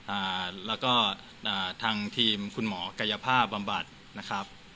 อ่าแล้วก็อ่าทางทีมคุณหมอกายภาพบำบัดนะครับ